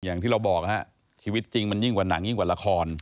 อย่างที่เราบอกฮะชีวิตจริงมันยิ่งกว่าหนังยิ่งกว่าละคร